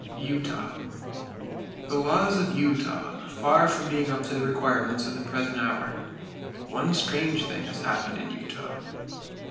[Page 298] Utah: The laws of Utah are far from being up to the requirements of the present hour. One strange thing has happened in Utah.